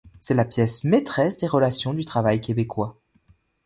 C'est la pièce maîtresse des relations du travail québécois.